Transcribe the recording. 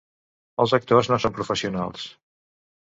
Els actors no són professionals.